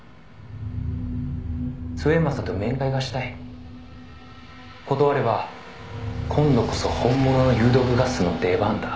「末政と面会がしたい」「断れば今度こそ本物の有毒ガスの出番だ」